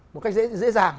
một cách dễ dàng